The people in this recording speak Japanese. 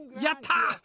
やった！